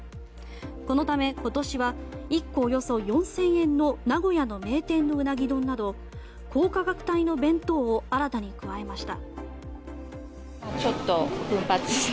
このため今年は１個およそ４０００円の名古屋の名店のうなぎ丼など高価格帯の弁当を新たに加えました。